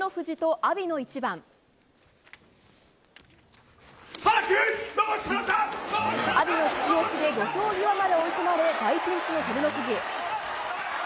阿炎の突き押しで土俵際まで追い込まれ大ピンチの照ノ富士。